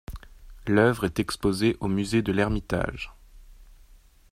L'œuvre est exposée au musée de l'Ermitage.